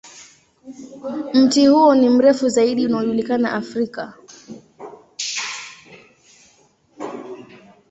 Mti huo ni mti mrefu zaidi unaojulikana Afrika.